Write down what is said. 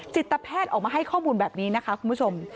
จิตแพทย์ออกมาให้ข้อมูลแบบนี้นะคะคุณผู้ชม